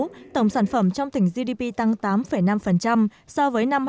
năm hai nghìn một mươi sáu tổng sản phẩm trong tỉnh gdp tăng tám năm so với năm hai nghìn một mươi bảy